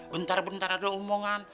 bentar bentar ada omongan